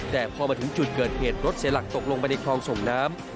แต่พอมาถึงจุดเกิดเหตุรถเสียหลักตกลงไปในคลองส่งน้ำ